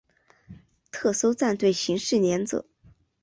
特搜战队刑事连者。